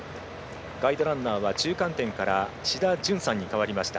ガイドランナーは中間点から志田淳さんに代わりました。